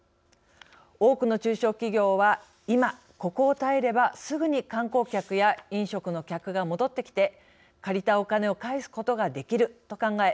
多くの中小企業は今、ここを耐えればすぐに観光客や飲食の客が戻ってきて、借りたお金を返すことができると考え